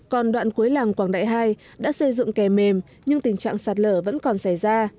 còn đoạn cuối làng quảng đại hai đã xây dựng kè mềm nhưng tình trạng sạt lở vẫn còn xảy ra